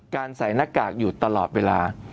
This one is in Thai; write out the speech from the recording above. การใส่นระกากอยู่ตลอดเวลา